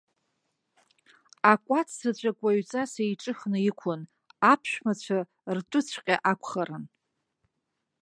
Акәац заҵәык уаҩҵас еиҿыхны иқәын, аԥшәмацәа ртәыҵәҟьа акәхарын.